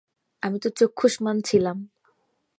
আমি তো চক্ষুস্মান ছিলাম।